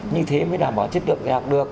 như thế mới đảm bảo chất lượng dạy học được